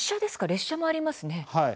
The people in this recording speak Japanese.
列車もありますね。